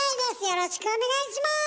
よろしくお願いします！